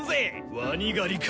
ワニ狩りか！